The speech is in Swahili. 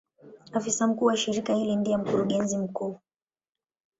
Afisa mkuu wa shirika hili ndiye Mkurugenzi mkuu.